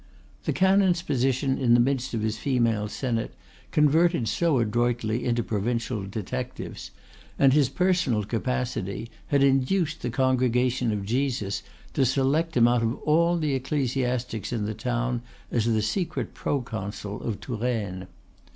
The canon's position in the midst of his female senate, converted so adroitly into provincial detectives, and his personal capacity, had induced the Congregation of Jesus to select him out of all the ecclesiastics in the town, as the secret proconsul of Touraine.